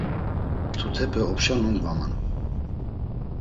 Mtutepe opşa numgvaman.